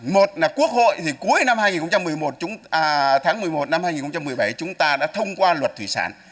một là quốc hội thì cuối năm hai nghìn một mươi một tháng một mươi một năm hai nghìn một mươi bảy chúng ta đã thông qua luật thủy sản